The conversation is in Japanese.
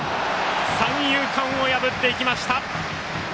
三遊間を破って行きました。